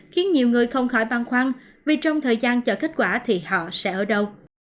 khiến nhiều người không khỏi băn khoăn vì trong thời gian chờ kết quả thì họ sẽ ở đâu